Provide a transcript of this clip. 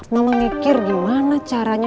mama mikir gimana caranya